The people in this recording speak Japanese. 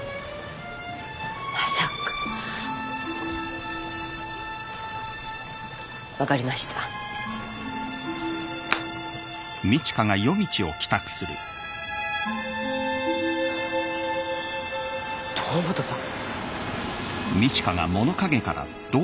まさか分かりました堂本さん